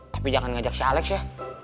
tapi jangan ngajak si alex ya